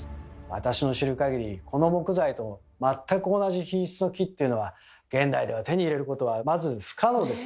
私の知る限りこの木材と全く同じ品質の木っていうのは現代では手に入れることはまず不可能ですね。